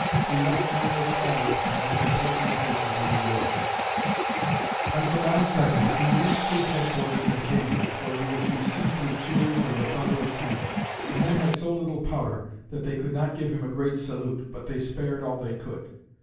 He left General Schuyler to command the patriot forces in New York. [Illustration: The Charge at Bunker Hill] On July second, he reached his headquarters in Cambridge, where he was received with cheers and the thunder of cannon. The men had so little powder that they could not give him a great salute, but they spared all they could.